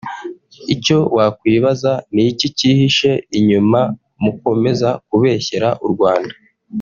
Icyo wakwibaza niki kihishe inyuma mukomeza kubeshyera u Rwanda